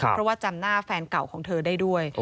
เพราะว่าจำหน้าแฟนเก่าของเธอได้ด้วย